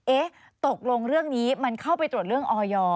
เอ๊ะตกลงเรื่องนี้มันเข้าไปตรวจเรื่องออย